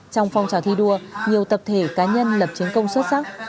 trong phong trào thi đua nhiều tập thể cá nhân lập chiến công xuất sắc